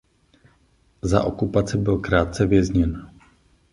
Za okupace byl krátce vězněn.